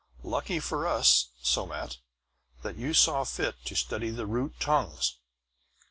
"Lucky for us, Somat, that you saw fit to study the root tongues.